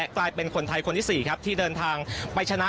กลายเป็นคนไทยคนที่๔ครับที่เดินทางไปชนะ